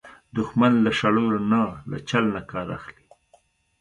دښمن له شړلو نه، له چل نه کار اخلي